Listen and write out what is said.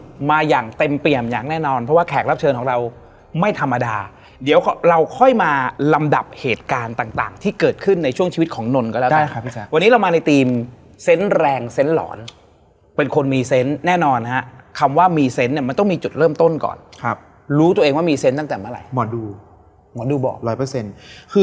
มาสนุกมาอย่างเต็มเปรียมอย่างแน่นอนเพราะว่าแขกรับเชิญของเราไม่ธรรมดาเดี๋ยวเราค่อยมาลำดับเหตุการณ์ต่างที่เกิดขึ้นในช่วงชีวิตของนนก็ได้ครับวันนี้เรามาในทีมเซ็นต์แรงเซ็นต์หลอนเป็นคนมีเซ็นต์แน่นอนนะครับคำว่ามีเซ็นต์มันต้องมีจุดเริ่มต้นก่อนครับรู้ตัวเองว่ามีเซ็นต์ตั้งแต่เม